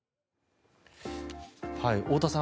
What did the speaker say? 太田さん